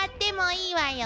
いいわよ。